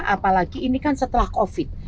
apalagi ini kan setelah covid